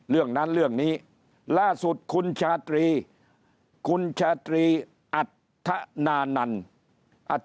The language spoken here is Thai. เรื่องนั้นเรื่องนี้ล่าสุดคุณชาตรีคุณชาตรีอัธนานัน